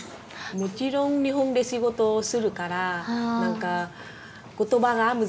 もちろん日本で仕事をするから何か言葉が難しい。